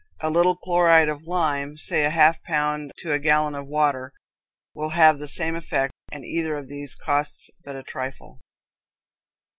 A little chloride of lime, say half a pound to a gallon of water, will have the same effect, and either of these costs but a trifle.